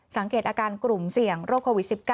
สังเกตอาการกลุ่มเสี่ยงโรคโควิด๑๙